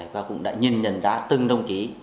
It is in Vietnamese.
và cũng đã nhìn nhận ra từng đồng chí